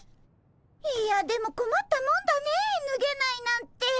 いやでもこまったもんだねえぬげないなんて。